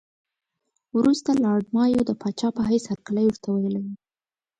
وروسته لارډ مایو د پاچا په حیث هرکلی ورته ویلی وو.